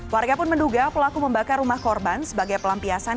warga pun menduga pelaku membakar rumah korban sebagai pelampiasan